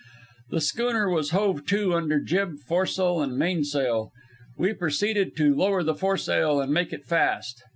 The schooner was hove to under jib, foresail, and mainsail. We proceeded to lower the foresail and make it fast.